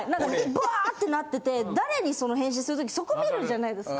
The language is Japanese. ブワーッてなってて誰にその返信する時そこ見るじゃないですか。